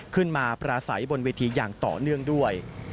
ปราศัยบนเวทีอย่างต่อเนื่องด้วย